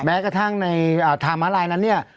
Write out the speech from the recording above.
แม้กระทั่งในทางม้าลายนั้นเนี่ย